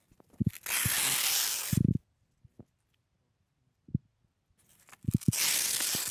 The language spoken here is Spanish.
Fue esencialmente oral, y solo publicó una quincena de pequeñas memorias científicas.